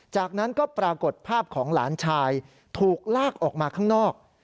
จากนั้นก็ปรากฏภาพของหลานชายถูกลากออกมาข้างนอก